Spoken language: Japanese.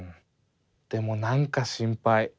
でもなんか心配。